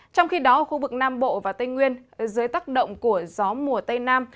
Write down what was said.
trong khi đó khu vực nam bộ và tây nguyên dưới tác động của gió mùa tây nam